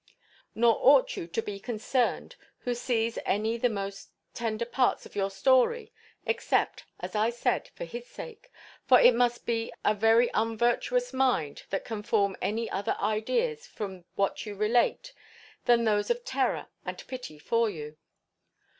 Nor ought you to be concerned who sees any the most tender parts of your story, except, as I said, for his sake; for it must be a very unvirtuous mind that can form any other ideas from what you relate than those of terror and pity for you.